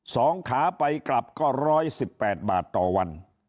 สองขาไปกลับก็๑๑๘บาทต่อวัน